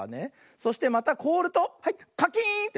そしてまたこおるとはいカキーンってかたまったね。